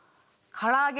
からあげ。